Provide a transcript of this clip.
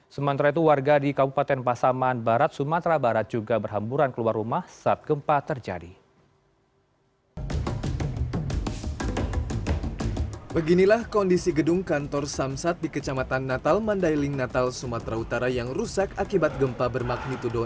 sementara itu warga di kabupaten pasaman barat sumatera barat juga berhamburan keluar rumah saat gempa terjadi